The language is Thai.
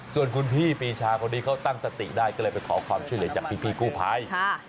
ส่วนคุณพี่ปีชาคนนี้เขาตั้งสติได้ก็เลยไปขอความช่วยเหลือจากพี่กู้ภัย